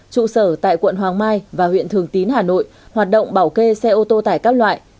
trụ sở tại quận hoàng mai và huyện thường tín hà nội hoạt động bảo kê xe ô tô tải các loại